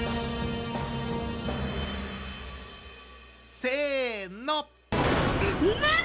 せの。